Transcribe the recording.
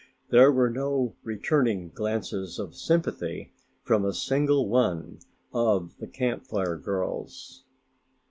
There were no returning glances of sympathy from a single one of the Camp Fire girls.